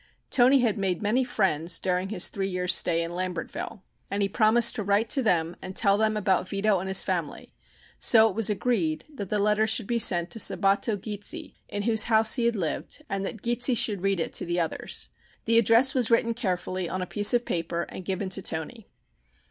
Toni had made many friends during his three years' stay in Lambertville, and he promised to write to them and tell them about Vito and his family, so it was agreed that the letter should be sent to Sabbatto Gizzi, in whose house he had lived, and that Gizzi should read it to the others. The address was written carefully on a piece of paper and given to Toni.